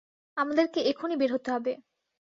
আমাদেরকে এখনি বের হতে হবে।